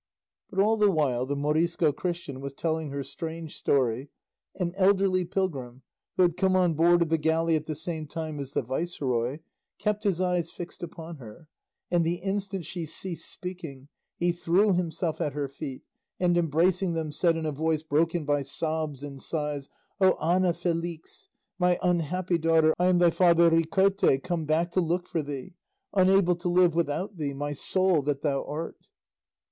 But all the while the Morisco Christian was telling her strange story, an elderly pilgrim, who had come on board of the galley at the same time as the viceroy, kept his eyes fixed upon her; and the instant she ceased speaking he threw himself at her feet, and embracing them said in a voice broken by sobs and sighs, "O Ana Felix, my unhappy daughter, I am thy father Ricote, come back to look for thee, unable to live without thee, my soul that thou art!"